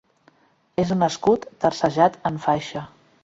És un escut tercejat en faixa.